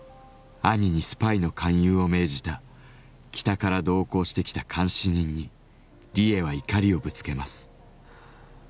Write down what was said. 兄にスパイの勧誘を命じた北から同行してきた監視人にリエは怒りをぶつけます。